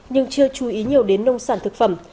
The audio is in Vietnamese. nhưng chưa chú ý nhiều đến nông sản thực phẩm